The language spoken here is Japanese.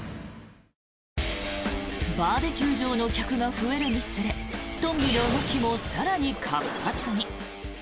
バーベキュー場の客が増えるにつれトンビの動きも更に活発に。